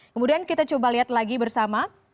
kemudian kita coba lihat lagi bersama